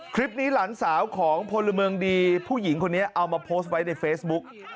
หลานสาวของพลเมืองดีผู้หญิงคนนี้เอามาโพสต์ไว้ในเฟซบุ๊ก